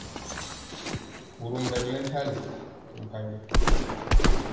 Ɓorom ɓɛ ri lɛŋ mpali to mpanjɔ.